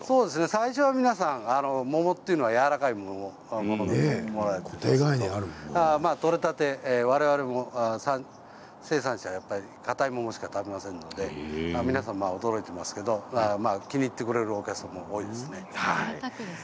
最初は皆さん桃というのはやわらかいものと思われていますけれど取れたてわれわれも生産者はかたい桃しか食べませんので皆さん驚いていますけれど気に入ってくれるお客さんもぜいたくですよね。